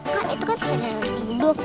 kan itu kan sepeda yang berduduk